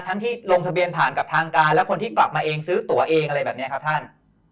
ที่ลงทะเบียนผ่านกับทางการและคนที่กลับมาเองซื้อตัวเองอะไรแบบนี้ครับท่าน